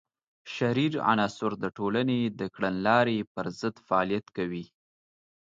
شریر عناصر د ټولنې د کړنلارې پر ضد فعالیت کوي.